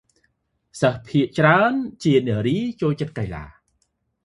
សិស្សភាគច្រើនជានារី ចូលចិត្តកីឡា ។